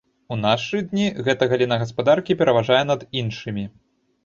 У нашы дні гэта галіна гаспадаркі пераважае над іншымі.